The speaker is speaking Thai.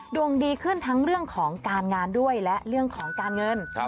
ดวงดีขึ้นทั้งเรื่องของการงานด้วยและเรื่องของการเงิน